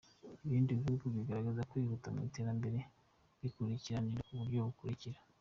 Ibindi bihugu bigaragaza kwihuta mu iterambere bikurikirana mu buryo bukurikira :.